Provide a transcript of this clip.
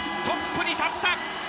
トップに立った。